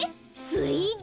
３Ｄ！？